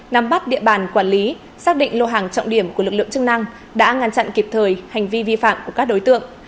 nắm bắt địa bàn quản lý xác định lô hàng trọng điểm của lực lượng chức năng đã ngăn chặn kịp thời hành vi vi phạm của các đối tượng